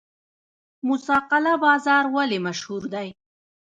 موسی قلعه بازار ولې مشهور دی؟